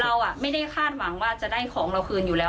เราไม่ได้คาดหวังว่าจะได้ของเราคืนอยู่แล้ว